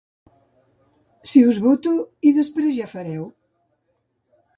Si us voto, i després ja fareu…